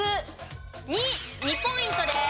２ポイントです。